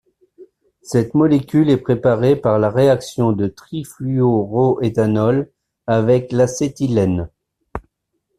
Cette molécule est préparée par la réaction de trifluoroéthanol avec l'acétylène.